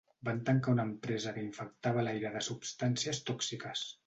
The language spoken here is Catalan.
Van tancar una empresa que infectava l'aire de substàncies tòxiques.